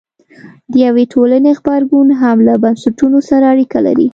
د یوې ټولنې غبرګون هم له بنسټونو سره اړیکه لري.